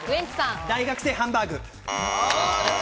大学生ハンバーグ。